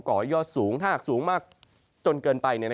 ก่อยยอดสูงถ้าศักดิ์สูงมากจนเกินไป